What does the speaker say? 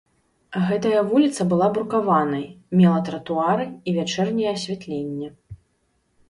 Гэтая вуліца была брукаванай, мела тратуары і вячэрняе асвятленне.